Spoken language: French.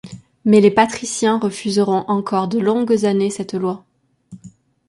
Mais les patriciens refuseront encore de longues années cette loi.